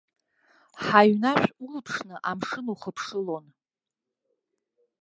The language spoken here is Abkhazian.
Ҳаҩнашә улԥшны амшын ухыԥшылон.